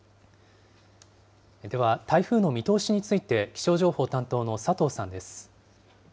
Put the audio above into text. では、台風の見通しについて、気象情報担当の佐藤さんです。